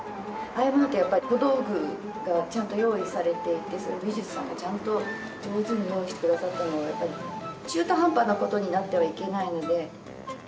ああいうものって小道具がちゃんと用意されていてそれを美術さんがちゃんと上手に用意してくださったのを中途半端なことになってはいけないので。